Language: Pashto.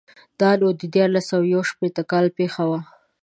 دا نو دیارلس سوه یو شپېتو کال پېښه وه.